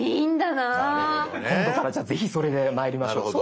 なるほどね。今度からじゃあぜひそれでまいりましょう。